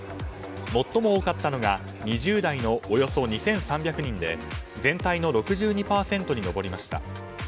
最も多かったのが２０代のおよそ２３００人で全体の６２％に上りました。